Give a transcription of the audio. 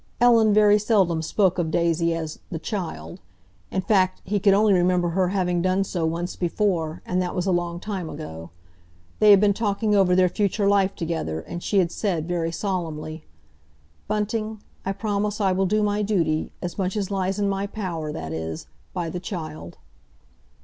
Ellen very seldom spoke of Daisy as "the child"—in fact, he could only remember her having done so once before, and that was a long time ago. They had been talking over their future life together, and she had said, very solemnly, "Bunting, I promise I will do my duty—as much as lies in my power, that is—by the child."